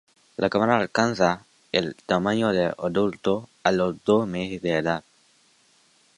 La camada alcanza el tamaño de adulto a los dos meses de edad.